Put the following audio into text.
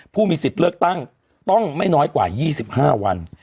ผู้มีสิทธิ์เลือกตั้งต้องไม่น้อยกว่า๒๕วัน